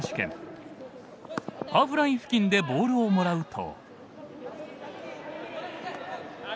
ハーフライン付近でボールをもらうと。